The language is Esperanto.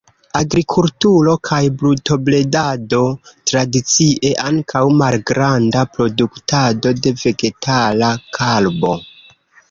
Agrikulturo kaj brutobredado tradicie, ankaŭ malgranda produktado de vegetala karbo.